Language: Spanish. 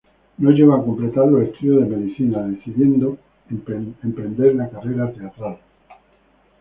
No llegó a completar los estudios de medicina, decidiendo emprender la carrera teatral.